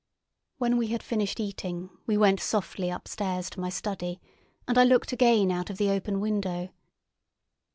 When we had finished eating we went softly upstairs to my study, and I looked again out of the open window.